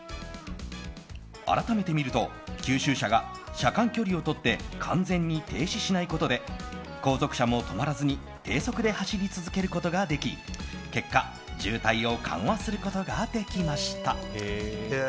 改めて見ると吸収車が車間距離をとって完全に停止しないことで後続車も止まらずに低速で走り続けることができ結果、渋滞を緩和することができました。